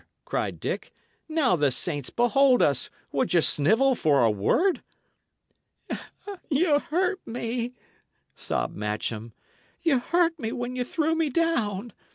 cried Dick. "Now the saints behold us! would ye snivel for a word?" "Ye hurt me," sobbed Matcham. "Ye hurt me when ye threw me down.